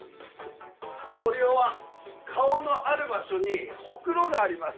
森生は顔のある場所にホクロがあります。